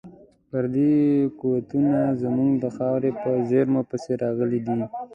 پردي قوتونه زموږ د خاورې په زیرمو پسې راغلي دي.